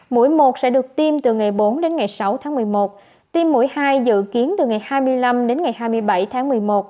mũi một sẽ được tiêm từ ngày bốn đến ngày sáu tháng một mươi một tiêm mũi hai dự kiến từ ngày hai mươi năm đến ngày hai mươi bảy tháng một mươi một